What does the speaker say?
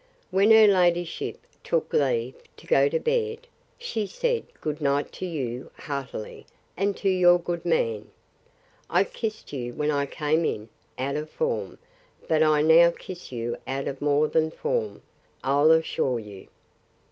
When her ladyship took leave, to go to bed, she said, Goodnight to you, heartily, and to your good man. I kissed you when I came in, out of form; but I now kiss you out of more than form, I'll assure you.